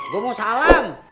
gue mau salam